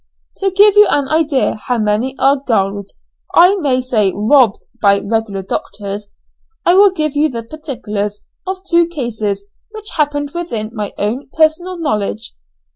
To give you an idea how many are 'gulled,' I may say robbed, by regular doctors, I will give you the particulars of two cases which happened within my own personal knowledge.